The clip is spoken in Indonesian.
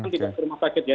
tidak ke rumah sakit ya